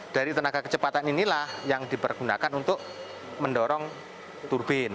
dari tenaga kecepatan inilah yang dipergunakan untuk mendorong turbin